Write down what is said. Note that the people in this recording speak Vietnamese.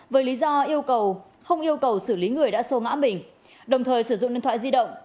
với lý do yêu cầu không yêu cầu xử lý người đã xô ngã mình đồng thời sử dụng điện thoại di động